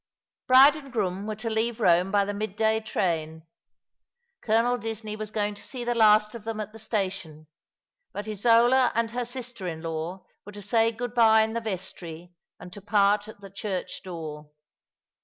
Bride and bridegroom were to leaye Rome by the mid day train. Colonel Disney was going to see the last of them at the station, but Isola and hor sister in law were to say good bye in the vestry, and to part at the church door.